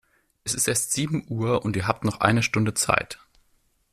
Es ist erst sieben Uhr und ihr habt noch eine Stunde Zeit.